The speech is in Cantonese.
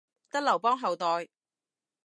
得劉邦後代